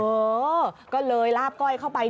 เออก็เลยลาบก้อยเข้าไป